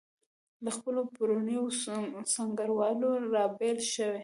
له خپلو پرونیو سنګروالو رابېل شوي.